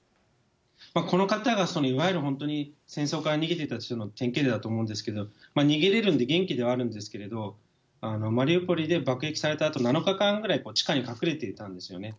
この方が、いわゆる本当に、戦争から逃げてきた人の典型だと思うんですが、逃げれるんで、元気ではあるんですけれども、マリウポリで爆撃されたあと、７日間ぐらい地下に隠れていたんですよね。